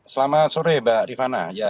selamat sore mbak rifana